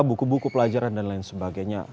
buku buku pelajaran dan lain sebagainya